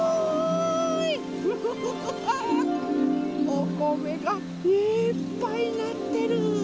おこめがいっぱいなってる。